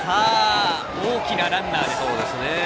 大きなランナーです。